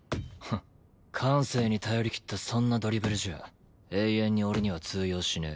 感性に頼りきったそんなドリブルじゃ永遠に俺には通用しねえ。